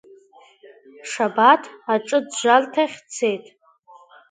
Шабаҭ аҿыӡәӡәарҭахь дцеит.